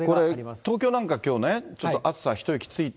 これ、東京なんかきょうね、ちょっと暑さ一息ついた。